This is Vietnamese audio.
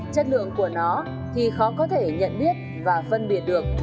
chất lượng của nó thì khó có thể nhận biết và phân biệt được